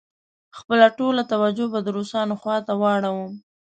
خپله ټوله توجه به د روسانو خواته واړوم.